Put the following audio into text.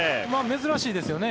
珍しいですよね。